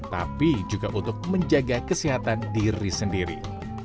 tapi juga untuk menjaga kesehatan diri sendiri